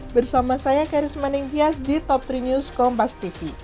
bersama saya karis maningkias di top tiga news kompastv